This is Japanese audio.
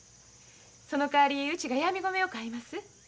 そのかわりうちがやみ米を買います。